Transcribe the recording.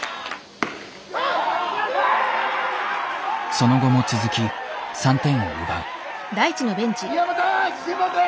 その後も続き３点を奪う。